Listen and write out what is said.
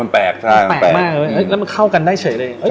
แปลกมากเลยแล้วมันเข้ากันได้เฉยเลย